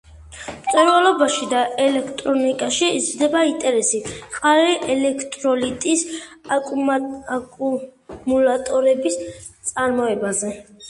მრეწველობაში და ელექტროტექნიკაში იზრდება ინტერესი მყარი ელექტროლიტის აკუმულატორების წარმოებაზე.